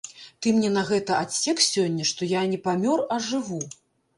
Ты мне на гэта адсек сёння, што я не памёр, а жыву!